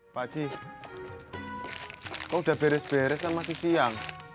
pak ji kau udah beres beres kan masih siang